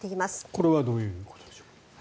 これはどういうことでしょう？